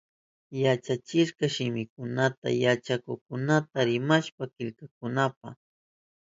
Yachachikka shimikunata yachakukkunata rimashka killkanankunapa.